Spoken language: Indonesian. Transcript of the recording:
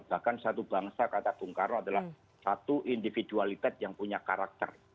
bahkan satu bangsa kata bung karno adalah satu individualitas yang punya karakter